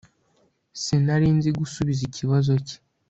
sinari nzi gusubiza ikibazo cye